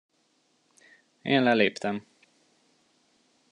Én leléptem.